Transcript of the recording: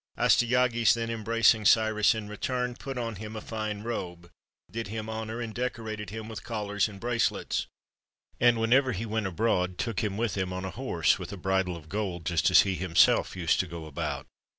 Astyages, then, embracing Cyrus in return, put on him a fine robe, did him honor, and decorated him with 294 WHEN CYRUS THE GREAT WAS A BOY collars and bracelets; and, whenever he went abroad, took him with him on a horse with a bridle of gold, just as he himself used to go about.